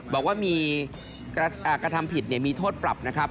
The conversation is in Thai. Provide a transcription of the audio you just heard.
บอกว่ามีกระทำผิดมีโทษปรับนะครับ